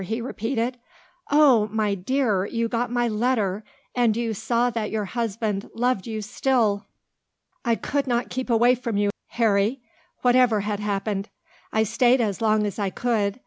he repeated. "Oh! my dear, you got my letter, and you saw that your husband loved you still." "I could not keep away from you, Harry, whatever had happened. I stayed as long as I could.